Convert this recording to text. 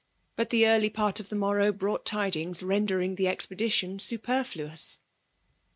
But the eariy part of the morrow brought tidBngs rendering the ezpediticni superfluous.